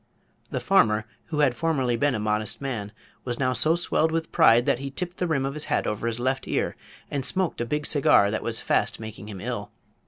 The farmer, who had formerly been a modest man, was now so swelled with pride that he tipped the rim of his hat over his left ear and smoked a big cigar that was fast making him ill.